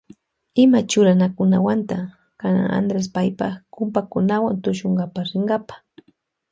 Ima churakunawanta kana Andres paypa kumpakunawa tushunkapa rinkapa.